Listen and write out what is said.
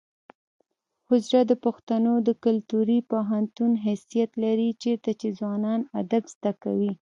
حجره د پښتنو د کلتوري پوهنتون حیثیت لري چیرته چې ځوانان ادب زده کوي.